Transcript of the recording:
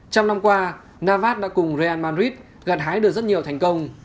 trong năm qua navas đã cùng real madrid gặt hái được rất nhiều thành công